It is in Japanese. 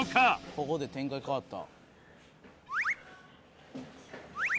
「ここで展開変わった」